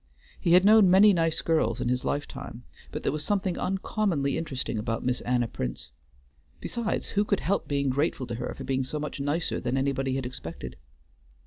He had known many nice girls in his lifetime, but there was something uncommonly interesting about Miss Anna Prince; besides, who could help being grateful to her for being so much nicer than anybody had expected?